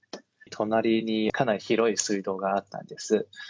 隣にかなり広い水路があったんです。